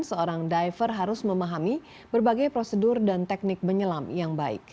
seorang diver harus memahami berbagai prosedur dan teknik menyelam yang baik